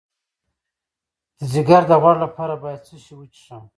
د ځیګر د غوړ لپاره باید څه شی وڅښم؟